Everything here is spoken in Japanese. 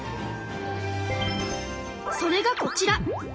それがこちら！